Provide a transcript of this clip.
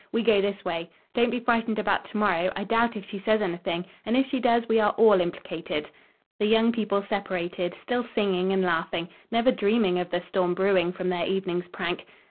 We go this way. Don't be frightened about to morrow. I doubt if she says anything; and if she does, we are all implicated." The young people separated, still singing and laughing; never dreaming of the storm brewing from their evening's prank.